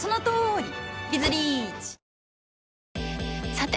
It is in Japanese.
さて！